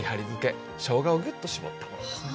しょうがをギュッと絞ったものですね。